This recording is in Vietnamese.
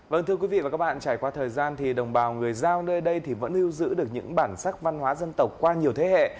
vâng thưa quý vị và các bạn trải qua thời gian thì đồng bào người giao nơi đây vẫn lưu giữ được những bản sắc văn hóa dân tộc qua nhiều thế hệ